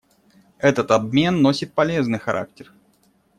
Этот обмен носит полезный характер.